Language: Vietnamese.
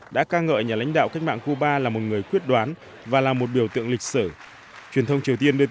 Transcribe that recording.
đã ca ngợi nhà lãnh đạo cách mạng cuba là một người quyết đoán và là một biểu tượng lịch sử